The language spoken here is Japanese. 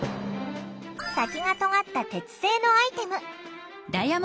先が尖った鉄製のアイテム。